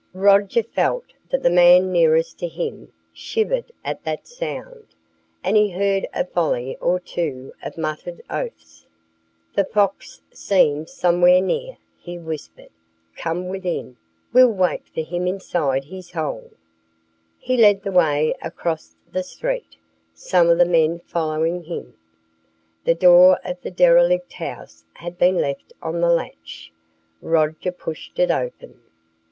Roger felt that the man nearest to him shivered at that sound, and he heard a volley or two of muttered oaths. "The fox seems somewhere near," he whispered. "Come within. We'll wait for him inside his hole." He led the way across the street, some of the men following him. The door of the derelict house had been left on the latch. Roger pushed it open.